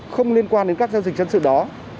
không liên quan đến các giao dịch dân sự đó